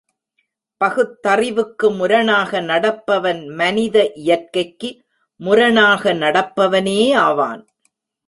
பகுத்தறிவுக்கு முரணாக நடப்பவன் மனித இயற்கைக்கு முரணாக நடப்பவனே ஆவான்.